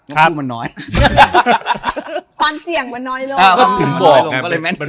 ความเสี่ยงมันน้อย